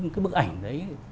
cái bức ảnh đấy